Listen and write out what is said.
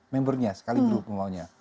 membernya sekaligus mau nya